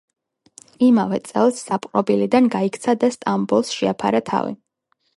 იმავე წელს საპყრობილიდან გაიქცა და სტამბოლს შეაფარა თავი.